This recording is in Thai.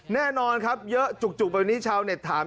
แน่นอนครับเยอะจุกแบบนี้ชาวเน็ตถาม